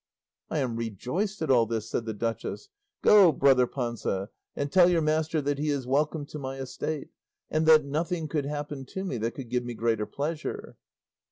"I am rejoiced at all this," said the duchess; "go, brother Panza, and tell your master that he is welcome to my estate, and that nothing could happen to me that could give me greater pleasure."